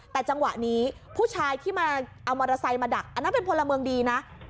แต่จังหวะนี้ผู้ชายที่มาเอามอเตอร์ไซค์มาดักอันนั้นเป็นพลเมืองดีนะ